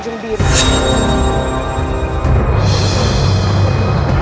tapi dia ayah kandungku